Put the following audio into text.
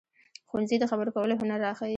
ښوونځی د خبرو کولو هنر راښيي